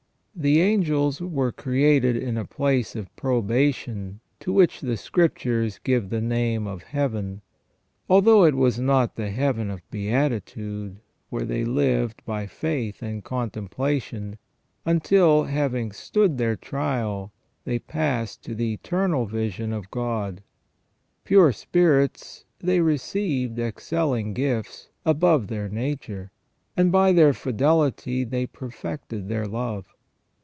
The angels were created in a place of probation to which the Scriptures give the name of Heaven, although it was not the Heaven of beatitude, where they lived by faith and contemplation, until, having stood their trial, they passed to the eternal vision of God. Pure spirits, they received excelling gifts, above their nature, and by their fidelity they perfected their love.